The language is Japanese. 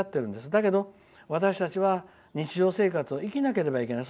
だけど私たちは日常生活を生きなければいけない。